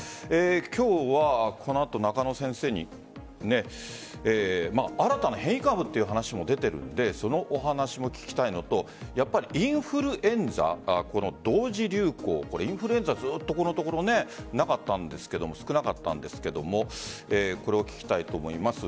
今日はこの後、中野先生に新たな変異株という話も出ているのでそのお話も聞きたいのとインフルエンザとの同時流行、インフルエンザずっとこのところ少なかったんですがこれを聞きたいと思います。